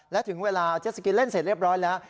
และถึงเวลาเจ็ดสกีเล่นเสร็จเรียบร้อยแล้ว